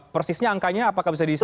persisnya angkanya apakah bisa diisi